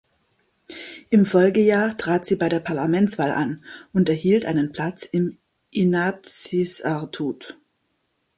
Im Folgejahr trat sie bei der Parlamentswahl an und erhielt einen Platz im Inatsisartut.